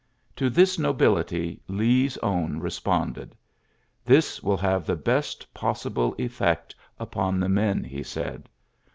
To 1 nobility Lee's own responded. ^^1 will have the best possible effect u] the men," he said.